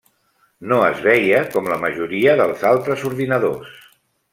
No es veia com la majoria dels altres ordinadors.